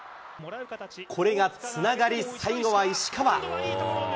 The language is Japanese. これがつながり、最後は石川。